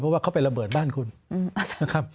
เพราะว่าเขาไประเบิดบ้านคุณนะครับ